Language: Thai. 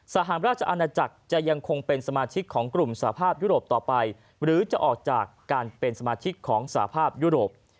สหราชอาณาจักรจะยังคงเป็นสมาชิกของกลุ่มสภาพยุโรปต่อไปหรือจะออกจากการเป็นสมาชิกของสภาพยุโรป